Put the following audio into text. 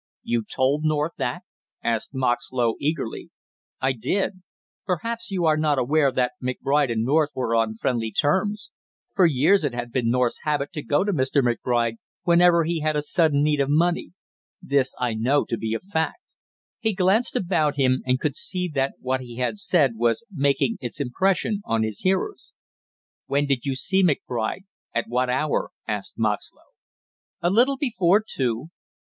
"You told North that?" asked Moxlow eagerly. "I did. Perhaps you are not aware that McBride and North were on friendly terms; for years it had been North's habit to go to Mr. McBride whenever he had a sudden need of money. This I know to be a fact." He glanced about him and could see that what he had said was making its impression on his hearers. "When did you see McBride, at what hour?" asked Moxlow. "A little before two."